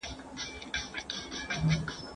زه کولای سم لوښي وچوم؟!